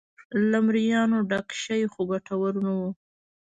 له مریانو ډک شي خو ګټور نه و.